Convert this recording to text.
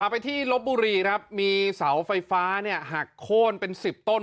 พอไปที่ลบบุรีครับมีเสาไฟฟ้าเนี่ยหักโค้นเป็นสิบต้น